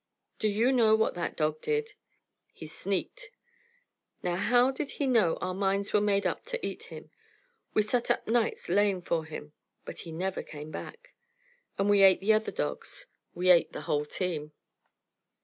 Do you know what that dog did? He sneaked. Now how did he know our minds were made up to eat him? We sat up nights laying for him, but he never came back, and we ate the other dogs. We ate the whole team.